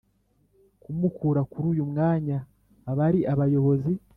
Kumukura kuri uyu mwanya abari abayobozi